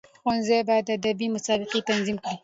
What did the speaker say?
ښوونځي باید ادبي مسابقي تنظیم کړي.